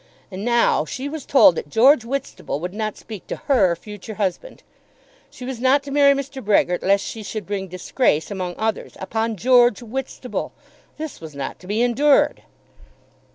And now she was told that George Whitstable would not speak to her future husband! She was not to marry Mr. Brehgert lest she should bring disgrace, among others, upon George Whitstable! This was not to be endured.